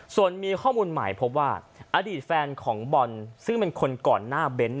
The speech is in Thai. ส่วนมีข้อมูลใหม่พบว่าอดีตแฟนของบอลซึ่งเป็นคนก่อนหน้าเบนท์